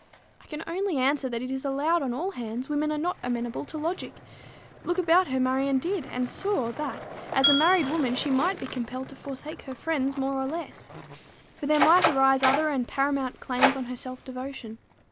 I can only answer that it is allowed on all hands women are not amenable to logic: look about her Marion did, and saw, that, as a married woman, she might be compelled to forsake her friends more or less; for there might arise other and paramount claims on her self devotion.